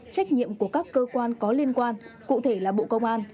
trách nhiệm của các cơ quan có liên quan cụ thể là bộ công an